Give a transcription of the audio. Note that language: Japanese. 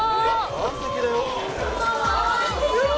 満席だよ。